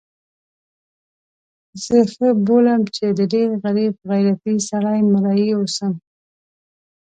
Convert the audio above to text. زه ښه بولم چې د ډېر غریب غیرتي سړي مریی اوسم.